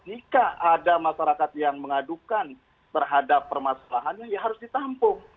jika ada masyarakat yang mengadukan terhadap permasalahannya ya harus ditampung